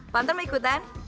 pantau mau ikutan